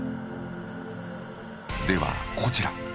ではこちら。